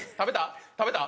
食べた？